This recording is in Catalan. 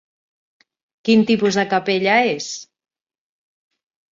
Quin tipus de capella és?